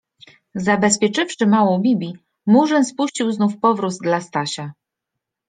Zabezpieczywszy małą Bibi, Murzyn spuścił znów powróz dla Stasia.